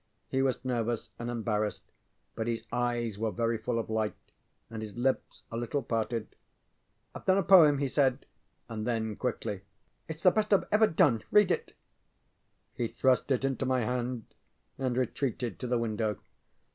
He was nervous and embarrassed, but his eyes were very full of light, and his lips a little parted. ŌĆ£IŌĆÖve done a poem, ŌĆØ he said; and then quickly: ŌĆ£itŌĆÖs the best IŌĆÖve ever done. Read it. ŌĆØ He thrust it into my hand and retreated to the window.